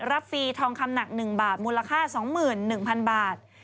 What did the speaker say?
ฟรีทองคำหนัก๑บาทมูลค่า๒๑๐๐๐บาท